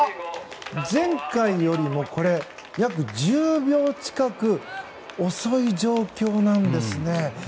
前回よりも約１０秒近く遅い状況なんですね。